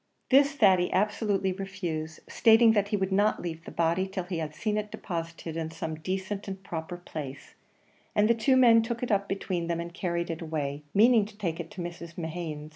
This Thady absolutely refused, stating that he would not leave the body till he had seen it deposited in some decent and proper place; and the two men took it up between them and carried it away, meaning to take it to Mrs. Mehan's.